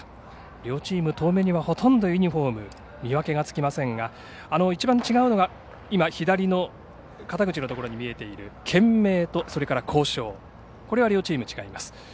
両チーム、遠目にはほとんどユニフォーム、見分けがつきませんがいちばん違うのは左の肩口のところに見えている県名と校章これは両チーム違います。